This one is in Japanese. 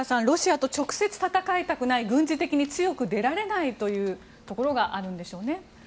ロシアと直接戦いたくない軍事的に強く出られないというところがあるんでしょうね。